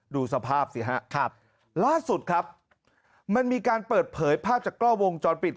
ดูสภาพสิฮะครับล่าสุดครับมันมีการเปิดเผยภาพจากกล้องวงจรปิด